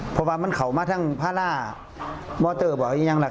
เห็นผู้ใดเขากาดยิงมากเลยครับ